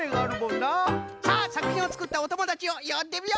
さあさくひんをつくったおともだちをよんでみよう！